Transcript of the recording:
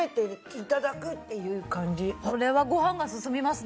これはご飯が進みますね。